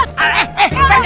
eh awas dulu